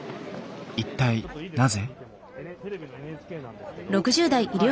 一体なぜ？